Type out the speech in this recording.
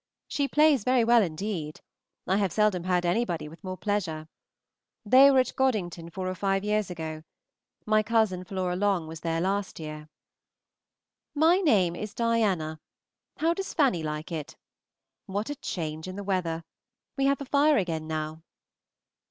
She plays very well indeed. I have seldom heard anybody with more pleasure. They were at Godington four or five years ago. My cousin Flora Long was there last year. My name is Diana. How does Fanny like it? What a change in the weather! We have a fire again now.